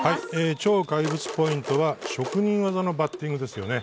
超怪物ポイントは職人技のバッティングですね。